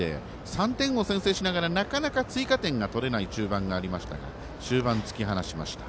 ３点を先制しながらなかなか追加点が取れない中盤がありましたが終盤、突き放しました。